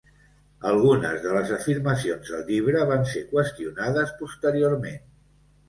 Algunes de les afirmacions del llibre van ser qüestionades posteriorment.